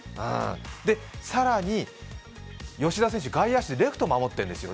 更に、吉田選手、外野手でレフトを守ってるんですよ。